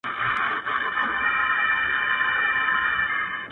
ها جلوه دار حُسن په ټوله ښاريه کي نسته ـ